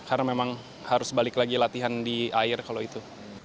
karena memang harus balik lagi latihan di air kalau itu